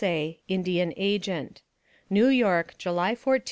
A., Indian Agent NEW YORK, July 14, 1870.